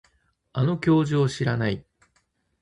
あの教授を知らない